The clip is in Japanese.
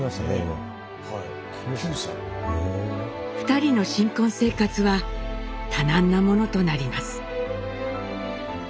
２人の新婚生活は多難なものとなります。